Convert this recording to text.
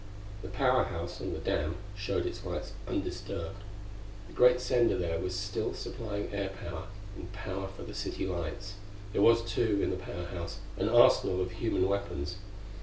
The Power House on the dam showed its lights undisturbed. The great sender there was still supplying air power and power for the city lights. There was, too, in the Power House, an arsenal of human weapons....